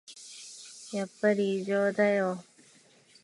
やっぱり異常だよ